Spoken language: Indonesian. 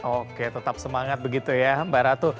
oke tetap semangat begitu ya mbak ratu